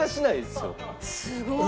すごい。